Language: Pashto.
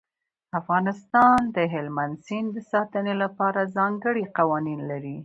افغانستان د هلمند سیند د ساتنې لپاره ځانګړي قوانین لري.